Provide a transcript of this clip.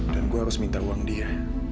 dan gue harus minta uang dia